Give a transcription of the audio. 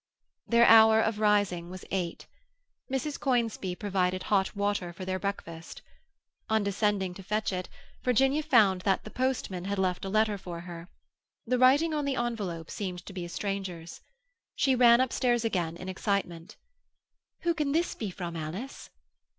Their hour of rising was eight. Mrs. Conisbee provided hot water for their breakfast. On descending to fetch it, Virginia found that the postman had left a letter for her. The writing on the envelope seemed to be a stranger's. She ran upstairs again in excitement. "Who can this be from, Alice?"